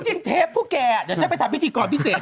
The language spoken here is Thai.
เทปพวกแกเดี๋ยวฉันไปทำพิธีกรพิเศษ